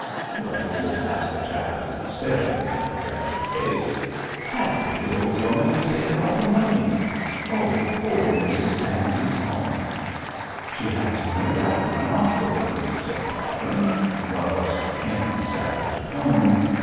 'What is it?' asked the chaplain, staring at her tragic face. 'That wicked old woman has taken all the money. Oh, poor Mrs Pansey's home!' 'She has no doubt run off with the money,' said Cargrim, in what was for him a savage tone.